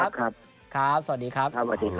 ครับครับสวัสดีครับสวัสดีครับ